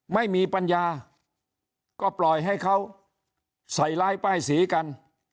ไม่มีปัญญาก็ปล่อยให้เขาใส่ร้ายป้ายสีกัน